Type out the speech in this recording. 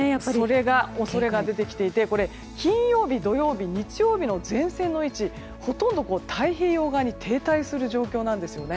それが恐れが出てきていて金曜日、土曜日、日曜日の前線の位置、ほとんど太平洋側に停滞する状況なんですよね。